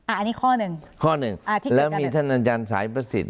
อ่านี่ข้อหนึ่งข้อหนึ่งอ่าที่เกิดกันแล้วมีท่านอาจารย์สายประสิทธิ์